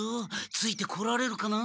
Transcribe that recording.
ついてこられるかな？